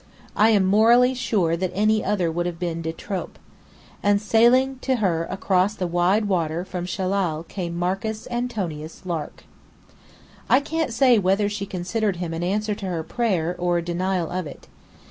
I am morally sure that any other would have been de trop. And sailing to her across the wide water from Shellal came Marcus Antonius Lark. I can't say whether she considered him an answer to her prayer, or a denial of it.